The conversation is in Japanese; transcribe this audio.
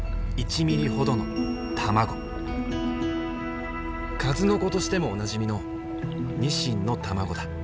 カズノコとしてもおなじみのニシンの卵だ。